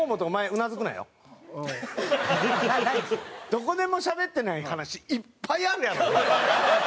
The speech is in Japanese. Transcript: どこでもしゃべってない話いっぱいあるやろお前は。